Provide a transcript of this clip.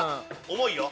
重いよ